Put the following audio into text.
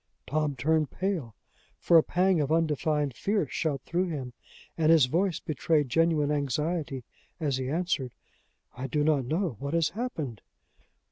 Tom turned pale, for a pang of undefined fear shot through him, and his voice betrayed genuine anxiety as he answered: "I do not know. What has happened?"